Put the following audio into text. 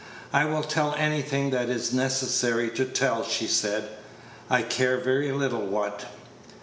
"I will tell anything that it is necessary to tell," she said; "I care very little what."